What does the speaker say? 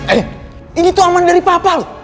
erin ini tuh amanah dari papa lu